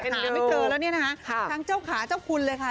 หาไม่เจอแล้วเนี่ยนะคะทั้งเจ้าขาเจ้าคุณเลยค่ะ